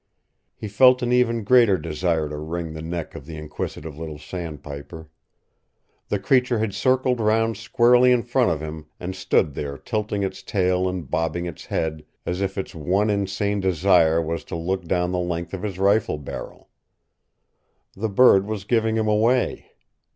He felt an even greater desire to wring the neck of the inquisitive little sandpiper. The creature had circled round squarely in front of him and stood there tilting its tail and bobbing its head as if its one insane desire was to look down the length of his rifle barrel. The bird was giving him away.